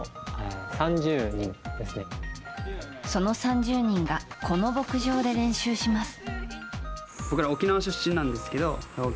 その３０人がこの牧場で練習します。